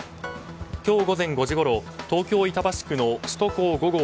今日午前５時ごろ東京・板橋区の首都高５号